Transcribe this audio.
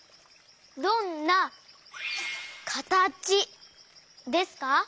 どんなかたちですか？